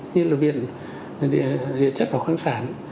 như là viện địa chất và khoang sản